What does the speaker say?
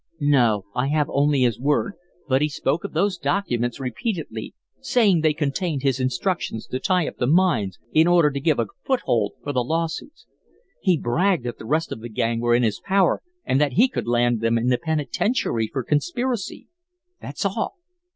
"No, I have only his word, but he spoke of those documents repeatedly, saying they contained his instructions to tie up the mines in order to give a foothold for the lawsuits. He bragged that the rest of the gang were in his power and that he could land them in the penitentiary for conspiracy. That's all."